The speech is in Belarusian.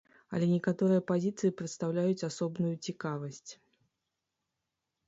Але некаторыя пазіцыі прадстаўляюць асобную цікавасць.